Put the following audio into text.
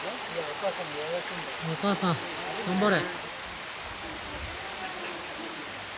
お母さん頑張れ。